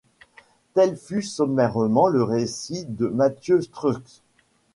Tel fut sommairement le récit de Mathieu Strux.